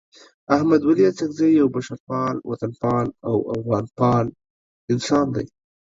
احمد ولي اڅکزی یو بشرپال، وطنپال او افغانپال انسان دی.